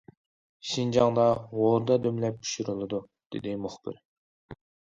« شىنجاڭدا ھوردا دۈملەپ پىشۇرۇلىدۇ» دېدى مۇخبىر.